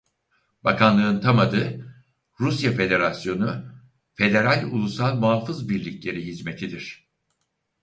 Bakanlığın tam adı Rusya Federasyonu Federal Ulusal Muhafız Birlikleri Hizmetidir.